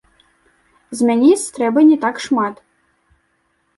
Змяніць трэба не так шмат.